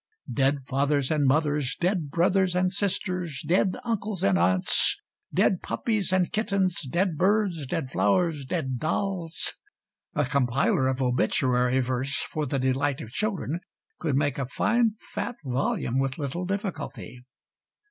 Dead fathers and mothers, dead brothers and sisters, dead uncles and aunts, dead puppies and kittens, dead birds, dead flowers, dead dolls a compiler of Obituary Verse for the delight of children could make a fine fat volume with little difficulty.